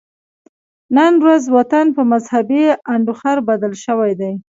نن ورځ وطن په مذهبي انډوخر بدل شوی دی